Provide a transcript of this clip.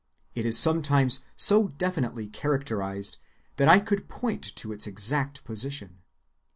It is sometimes so definitely characterized that I could point to its exact position.